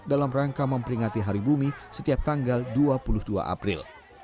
dalam rangka memperingati hari bumi setiap tanggal dua puluh dua april